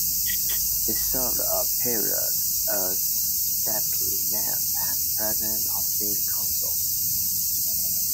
He served a period as deputy mayor and president of city council.